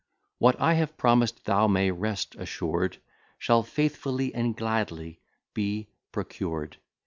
What I have promised, thou may'st rest assured Shall faithfully and gladly be procured.